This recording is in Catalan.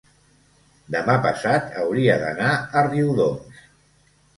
demà passat hauria d'anar a Riudoms.